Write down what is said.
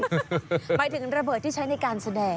หมายถึงระเบิดที่ใช้ในการแสดง